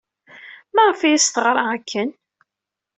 Maɣef ay as-teɣra akken?